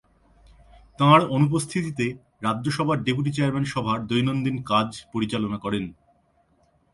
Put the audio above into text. তাঁর অনুপস্থিতিতে রাজ্যসভার ডেপুটি চেয়ারম্যান সভার দৈনন্দিন কাজ পরিচালনা করেন।